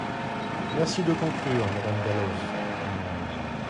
Merci de conclure, Madame Dalloz.